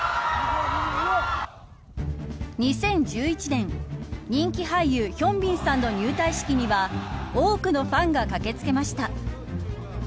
２０１１年人気俳優ヒョンビンさんの入隊式には多くのファンが駆けつけました。